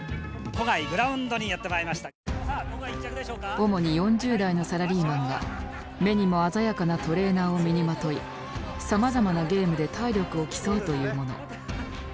主に４０代のサラリーマンが目にも鮮やかなトレーナーを身にまといさまざまなゲームで体力を競うというもの。